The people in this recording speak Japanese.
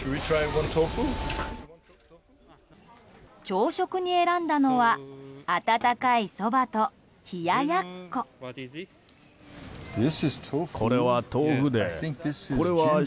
朝食に選んだのは温かいそばと冷ややっこ。